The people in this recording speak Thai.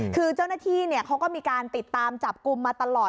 คือเจ้าหน้าที่เขาก็มีการติดตามจับกลุ่มมาตลอด